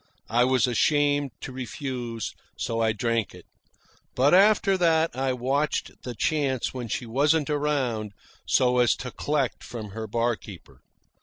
I was ashamed to refuse, so I drank it. But after that I watched the chance when she wasn't around so as to collect from her barkeeper.